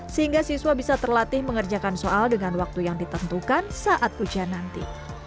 sehingga siswa bisa terlatih mengerjakan soal dengan waktu yang ditentukan saat hujan nanti